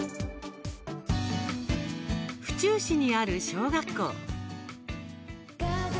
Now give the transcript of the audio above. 府中市にある小学校。